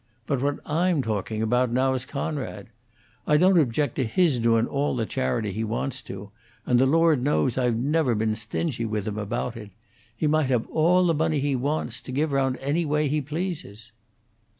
But what I'm talking about now is Coonrod. I don't object to his doin' all the charity he wants to, and the Lord knows I've never been stingy with him about it. He might have all the money he wants, to give round any way he pleases."